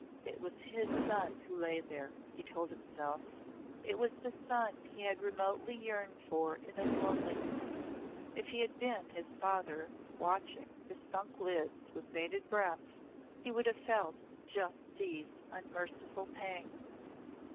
It was his son who lay there, he told himself, it was the son he had remotely yearned for in his loneliness; if he had been his father watching his sunk lids with bated breath, he would have felt just these unmerciful pangs.